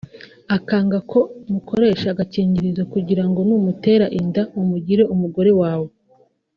akanga ko mukoresha agakingirizo kugirango numutera inda umugire umugore wawe